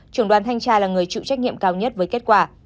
trường đoàn thanh tra là người trụ trách nhiệm cao nhất với kết quả